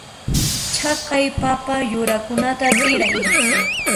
Chaqay papa yurakunata t'iray.